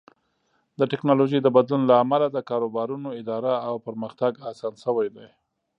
د ټکنالوژۍ د بدلون له امله د کاروبارونو اداره او پرمختګ اسان شوی دی.